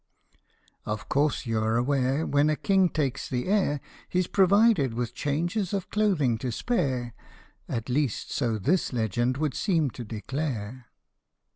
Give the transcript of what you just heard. [Of course, you're aware when a king takes the air He 's provided with changes of clothing to spare At least, so this legend would seem to declare.